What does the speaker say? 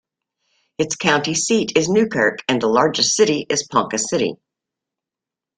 Its county seat is Newkirk, and the largest city is Ponca City.